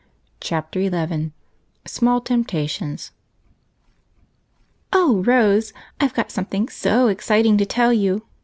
Chapter 11 SMALL TEMPTATIONS "Oh, Rose, I've got something so exciting to tell you!"